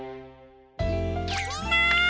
みんな！